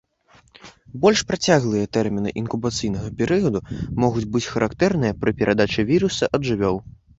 Больш працяглыя тэрміны інкубацыйнага перыяду могуць быць характэрныя пры перадачы віруса ад жывёл.